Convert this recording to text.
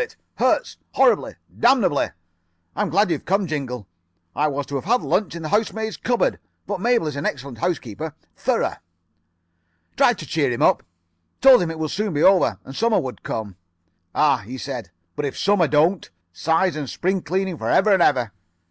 It hurts. Horribly. Damnably. I'm glad you've come, Jingle. I was to have had lunch in the housemaid's cupboard. But Mabel is an excellent housekeeper. Thorough.' "Tried to cheer him up. Told him it would soon be over. And Summer would come. "'Ah,' he said, 'but if Summer don't! Size and spring cleaning for ever and ever.